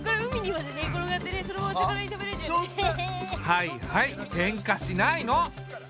はいはいけんかしないの。